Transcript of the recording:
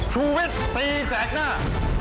ชูวิตตีแสดหน้า